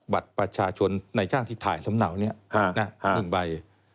บัตรประชาชนในจ้างที่ถ่ายสำเนานี้๑ใบ